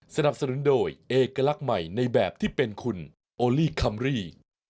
สนับสนุนโดยเอกลักษณ์ใหม่ในแบบที่เป็นคุณโอลี่คัมรี่